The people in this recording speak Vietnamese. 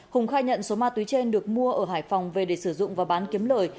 hùng khai nhận số ma túy trên được mua ở hải phòng về để sử dụng và bán kiếm lời